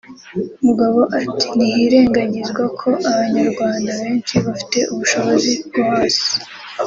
Mugabo ati “Ntihirengagizwa ko Abanyarwanda benshi bafite ubushobozi bwo hasi